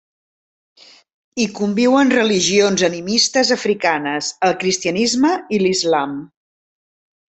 Hi conviuen religions animistes africanes, el cristianisme i l'islam.